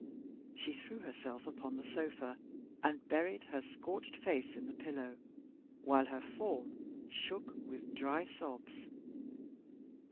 She threw herself upon the sofa, and buried her scorched face in the pillow while her form shook with dry sobs.